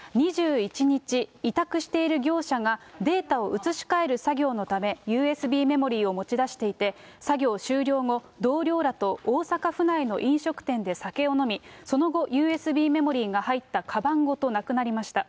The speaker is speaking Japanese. ２１日、委託している業者がデータを移し替える作業のため、ＵＳＢメモリを持ち出していて、作業終了後、同僚らと大阪府内の飲食店で酒を飲み、その後、ＵＳＢメモリが入ったかばんごとなくなりました。